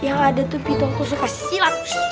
yang ada tuh pitung suka silap